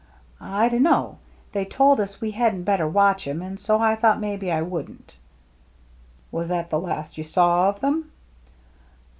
'*" I dunno. They told us we hadn't better watch 'em, and so I thought maybe I wouldn't." " Was that the last you saw of them